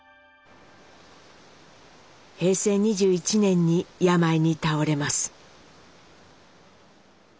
平成２１年に病に倒れます。